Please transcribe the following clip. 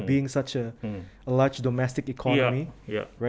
sebagai ekonomi domestik yang besar